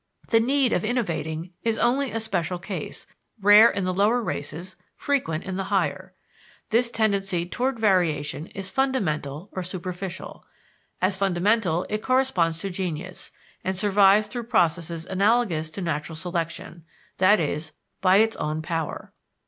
The need of innovating is only a special case, rare in the lower races, frequent in the higher. This tendency toward variation is fundamental or superficial: As fundamental, it corresponds to genius, and survives through processes analogous to natural selection, i.e., by its own power.